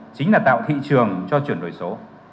chính là tạo thị trường cho chuyển đổi số